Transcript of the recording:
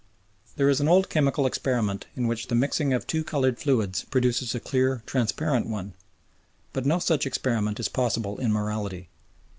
There is an old chemical experiment in which the mixing of two coloured fluids produces a clear, transparent one, but no such experiment is possible in morality.